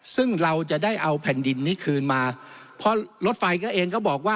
ซึ่งเราจะได้เอาแผ่นดินนี้คืนมาเพราะรถไฟก็เองก็บอกว่า